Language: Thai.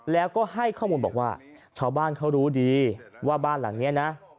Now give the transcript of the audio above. แล้วก็ให้ข้อมูลบอกว่าชาวบ้านเขารู้ดีว่าบ้านหลังนี้นะ